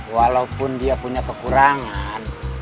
walaupun dia punya kekurangan